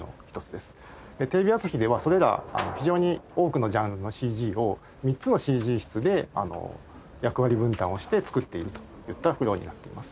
テレビ朝日ではそれら非常に多くのジャンルのＣＧを３つのＣＧ室で役割分担をして作っているといったフローになっています。